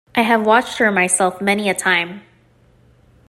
I have watched her myself many a time.